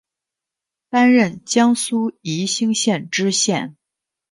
担任江苏宜兴县知县。